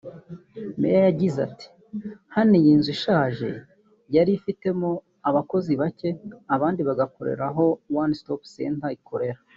Meya yagize ati “Hano iyi nzu (ishaje) yari ifitemo abakozi bake abandi bagakorera aho One stop center ikorera